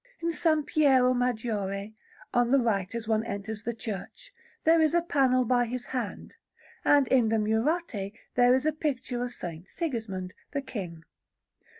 In S. Piero Maggiore, on the right as one enters the church, there is a panel by his hand, and in the Murate there is a picture of S. Sigismund, the King.